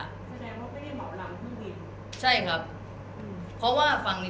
แสดงว่าไม่ได้เหมาลำที่นี่